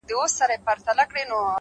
مهرباني د زړونو ترمنځ اعتماد جوړوي،